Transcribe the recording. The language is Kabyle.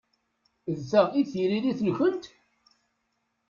D ta i d tiririt-nkent?